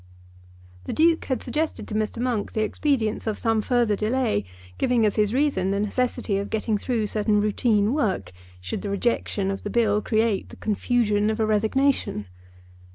The Duke had suggested to Mr. Monk the expedience of some further delay, giving as his reason the necessity of getting through certain routine work, should the rejection of the Bill create the confusion of a resignation.